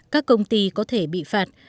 các công ty có thể bị phạt